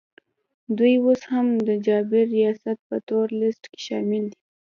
دوی اوس هم د جابر ریاست په تور لیست کي شامل دي